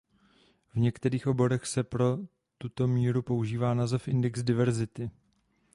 V některých oborech se pro tuto míru používá název "index diverzity".